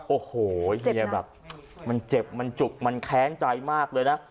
โอ้โหเฮียแบบมันเจ็บมันจุกมันแค้นใจมากเลยนะ